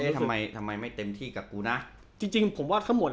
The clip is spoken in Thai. ทำไมไม่เต็มที่กับกูนะ